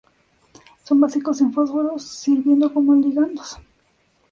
Son básicos en fósforo, sirviendo como ligandos.